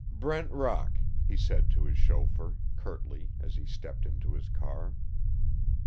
"Brent Rock," he said to his chauffeur, curtly, as he stepped into his car.